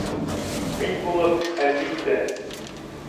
Мин булып, әлбиттә.